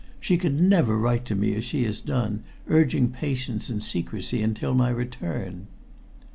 She could never write to me as she has done, urging patience and secrecy until my return."